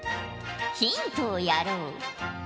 ヒントをやろう。